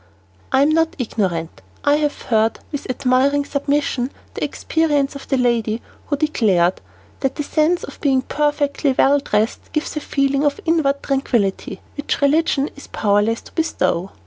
I am not ignorant, I have heard with admiring submission the experience of the lady who declared 'that the sense of being perfectly well dressed gives a feeling of inward tranquillity which religion is powerless to bestow.'"